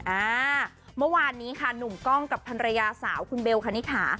อ่ามะวานนี้ค่ะหนุ่มก้องกับธรรยาสาวคุณเบลคนนี้ค่ะ